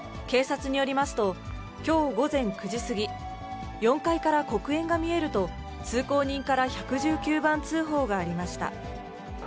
警察によりますと、きょう午前９時過ぎ、４階から黒煙が見えると、通行人から１１９番通報がありました。